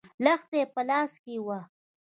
لښته يې په لاس کې وه.